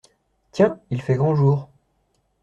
Tiens, il fait grand jour !…